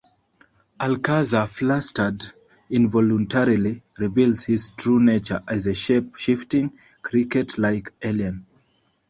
Alcazar, flustered, involuntarily reveals his true nature as a shape-shifting, cricket-like alien.